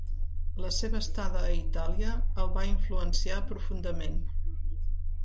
La seva estada a Itàlia el va influenciar profundament.